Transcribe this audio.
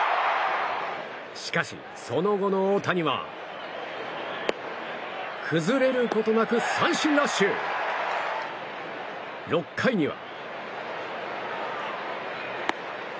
しかし、その後の大谷は崩れることなく三振ラッシュ！６回には。